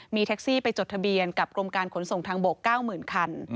มีแท็กซี่ไปจดทะเบียนกับกรมการขนส่งทางบก๙๐๐คัน